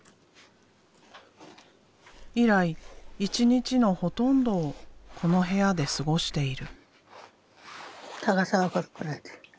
以来一日のほとんどをこの部屋で過ごしている。